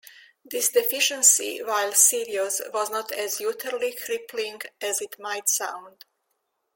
This deficiency, while serious, was not as utterly crippling as it might sound.